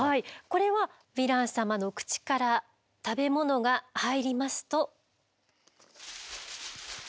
これはヴィラン様の口から食べ物が入りますと。